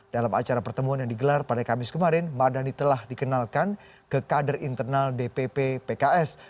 dalam acara pertemuan yang digelar pada kamis kemarin mardani telah dikenalkan ke kader internal dpp pks